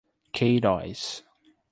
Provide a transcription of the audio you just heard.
Queiroz